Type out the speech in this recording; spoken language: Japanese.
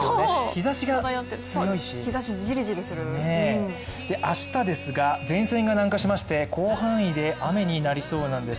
日ざしが強いし明日ですが、前線が南下しまして、広範囲で雨になりそうです。